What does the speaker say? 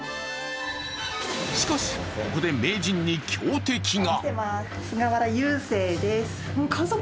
しかし、ここで名人に強敵が。